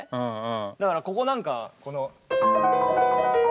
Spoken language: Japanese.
だからここなんかこの。